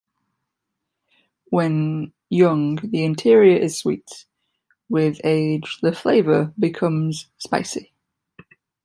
When young, the interior is sweet, with age the flavor becomes spicy.